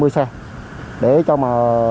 năm mươi xe để cho mà